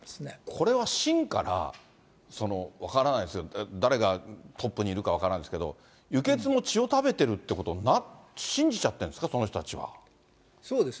これは、しんから、分からないですけど、誰がトップにいるか分からないですけど、輸血も血を食べてることに、信じちゃってるんですか、その人たちそうです。